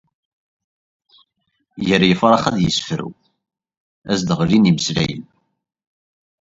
Gar yifrax ad yessefru, ad s-d-ɣlin imeslayen.